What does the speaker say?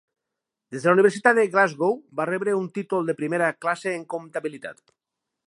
Des de la Universitat de Glasgow va rebre un títol de primera classe en comptabilitat.